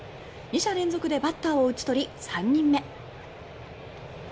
２者連続でバッターを打ち取り３人目。